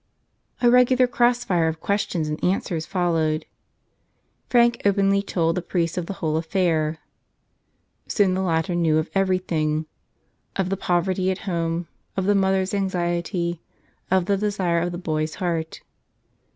A regular cross fire of ques¬ tions and answers followed. Frank openly told the priest of the whole affair; soon the latter knew of everything: of the poverty at home, of the mother's anxiety, of the desire of the boy's heart.